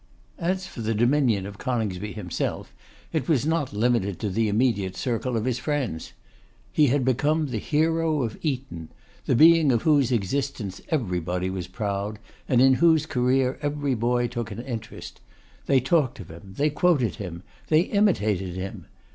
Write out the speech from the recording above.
As for the dominion of Coningsby himself, it was not limited to the immediate circle of his friends. He had become the hero of Eton; the being of whose existence everybody was proud, and in whose career every boy took an interest. They talked of him, they quoted him, they imitated him.